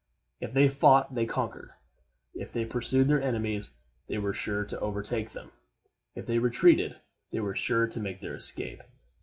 If they fought, they conquered; if they pursued their enemies, they were sure to overtake them; if they retreated, they were sure to make their escape.